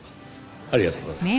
ありがとうございます。